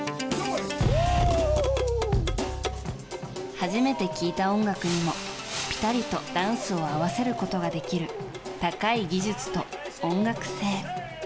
初めて聞いた音楽にも、ぴたりとダンスを合わせることができる高い技術と音楽性。